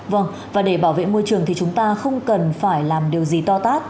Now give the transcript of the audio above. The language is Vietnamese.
vâng và để bảo vệ môi trường thì chúng ta không cần phải làm điều gì to tát